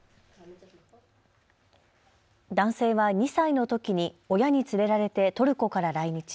男性は２歳のときに親に連れられてトルコから来日。